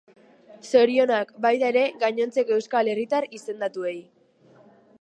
Zorionak, baita ere, gainontzeko euskal herritar izendatuei.